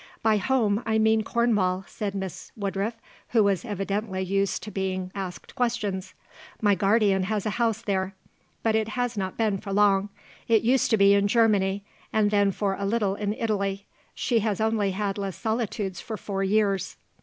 "By home I mean Cornwall," said Miss Woodruff, who was evidently used to being asked questions. "My guardian has a house there; but it has not been for long. It used to be in Germany, and then for a little in Italy; she has only had Les Solitudes for four years."